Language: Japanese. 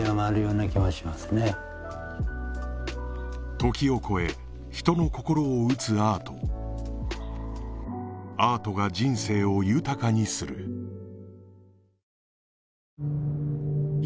時を越え人の心を打つアートアートが人生を豊かにする届け。